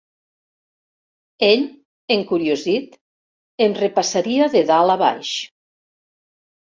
Ell, encuriosit, em repassaria de dalt a baix.